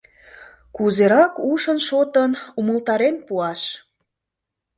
Кузерак ушын-шотын умылтарен пуаш?